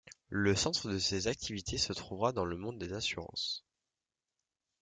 Le centre de ses activités se trouva dans le monde des assurances.